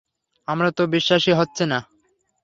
আমার তো বিশ্বাসই হচ্ছে না।